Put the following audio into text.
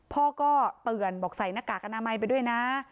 พ่อก็เตือนบอกใส่หน้ากากอนามัยไปด้วยนะ